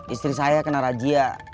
istri saya kena rajia